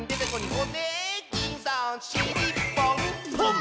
「ホネキンさんしりっぽん」ぽん！